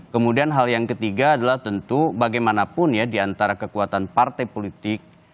kemudian hal yang ketiga adalah tentu bagaimanapun ya diantara kekuatan partai politik